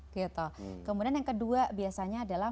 gitu kemudian yang kedua biasanya adalah